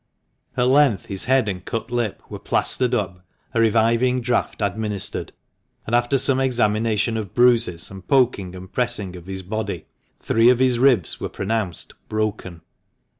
At length his head and cut lip were plaistered up, a reviving draught administered, and after some examination of bruises, and poking and pressing of his body, three of his ribs were pronounced "broken."